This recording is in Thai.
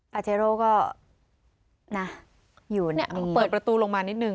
ปาเจโร่ก็นะอยู่แบบนี้อ้าวเขาเปิดประตูลงมานิดนึง